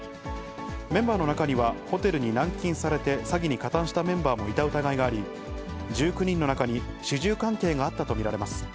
メンバーの中にはホテルに軟禁されて、詐欺に加担したメンバーもいた疑いがあり、１９人の中に主従関係があったと見られます。